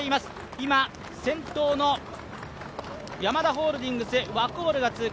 今、先頭のヤマダホールディングスワコールが通過。